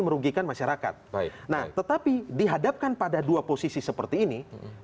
merugikan masyarakat baik nah tetapi dihadapkan pada dua posisi seperti ini